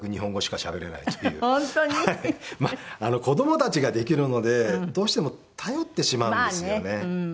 子供たちができるのでどうしても頼ってしまうんですよね。